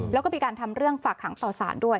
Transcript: แล้วก็มีการทำเรื่องฝากขังต่อสารด้วย